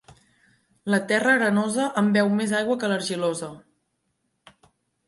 La terra arenosa embeu més aigua que l'argilosa.